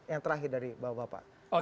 yang terakhir dari bapak bapak